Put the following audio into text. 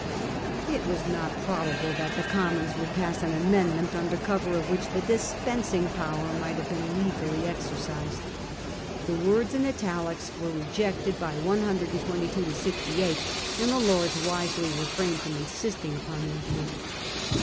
It was not probable that the Commons would pass an amendment under cover of which the dispensing power might have been legally exercised. The words in italics were rejected by 122 to 68 ] and the Lords wisely 176 Contest regarding Toleration . 167a refrained from insisting upon their view.